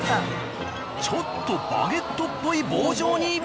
ちょっとバゲットっぽい棒状に！